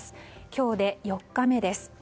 今日で４日目です。